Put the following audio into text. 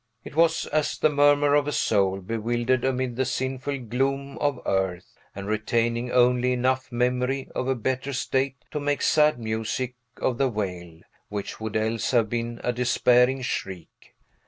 It was as the murmur of a soul bewildered amid the sinful gloom of earth, and retaining only enough memory of a better state to make sad music of the wail, which would else have been a despairing shriek.